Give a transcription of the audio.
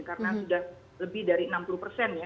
karena sudah lebih dari enam puluh persen ya